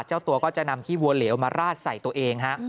เจ้าตัวก็จะนำขี้วัวเหลวมาราดใส่ตัวเองฮะ